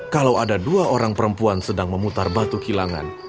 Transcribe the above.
kalau ada dua orang perempuan sedang memutar batu kilangan